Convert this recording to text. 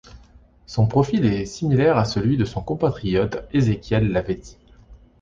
Son profil est similaire à celui de son compatriote Ezequiel Lavezzi.